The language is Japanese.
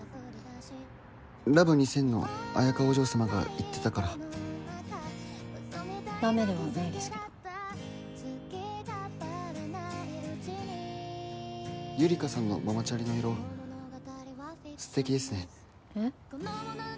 ラブ２０００のあやかお嬢様が言ってたからダメではないですけどゆりかさんのママチャリの色ステキですねえっ？